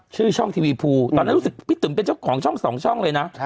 ชื่อช่องทีวีภูตอนนั้นรู้สึกพี่ตึ๋มเป็นเจ้าของช่องสองช่องเลยนะ